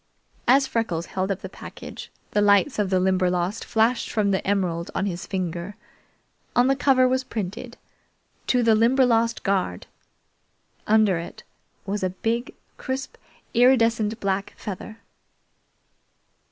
As Freckles held up the package, the lights of the Limberlost flashed from the emerald on his finger. On the cover was printed: "To the Limberlost Guard!" Under it was a big, crisp, iridescent black feather.